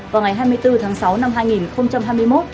vào ngày hai mươi bốn tháng sáu năm hai nghìn hai mươi một